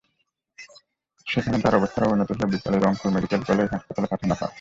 সেখানে তার অবস্থার অবনতি হলে বিকেলে রংপুর মেডিকেল কলেজ হাসপাতালে পাঠানো হয়।